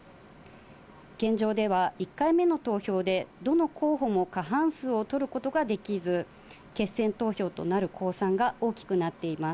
現状では１回目の投票で、どの候補も過半数を取ることができず、決選投票となる公算が大きくなっています。